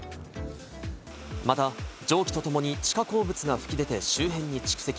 また蒸気とともに地下鉱物が吹き出て周辺に蓄積。